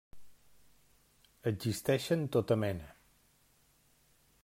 Existeixen tota mena.